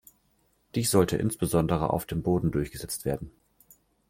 Dies sollte insbesondere auf dem Boden durchgesetzt werden.